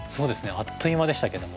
あっという間でしたけども。